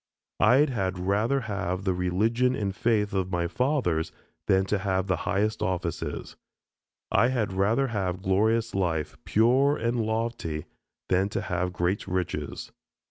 I had rather have the religion and faith of my fathers than to have the highest offices. I had rather have glorious life, pure and lofty, than to have great riches.